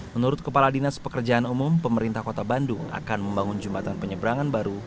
menurut kepala dinas pekerjaan umum pemerintah kota bandung akan membangun jembatan penyeberangan baru